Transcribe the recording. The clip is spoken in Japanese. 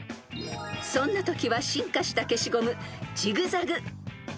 ［そんなときは進化した消しゴム］